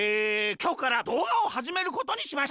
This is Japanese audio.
きょうからどうがをはじめることにしました。